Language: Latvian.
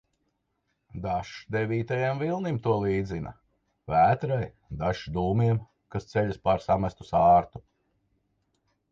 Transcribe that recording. Dažs devītajam vilnim to līdzina, vētrai, dažs dūmiem, kas ceļas pār samestu sārtu.